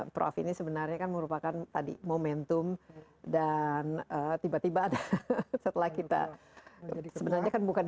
prof ini sebenarnya kan merupakan tadi momentum dan tiba tiba ada setelah kita jadi sebenarnya kan bukan